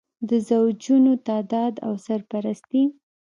د زوجونو تعدد او سرپرستي.